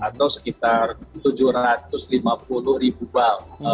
atau sekitar tujuh ratus lima puluh ribu bank